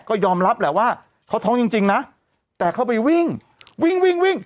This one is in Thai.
ก็ยอมรับแหละว่าเขาท้องจริงนะแต่เข้าไปวิ่งวิ่งวิ่งวิ่ง